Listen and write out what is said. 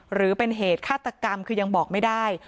หรือเป็นเหตุฆาตกรรมคือยังบอกไม่ได้